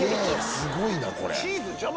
すごいなこれ。